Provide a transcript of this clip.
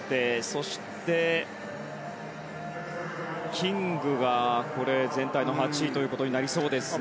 そして、キングが全体の８位となりそうですね。